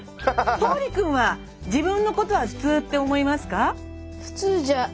橙利くんは自分のことは普通って思いますか？